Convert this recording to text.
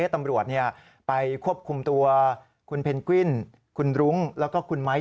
ตำรวจไปควบคุมตัวคุณเพนกวินคุณรุ้งแล้วก็คุณไม้